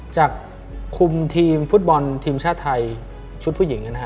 จะคุมทีมฟุตบอลทีมชาติไทยชุดผู้หญิง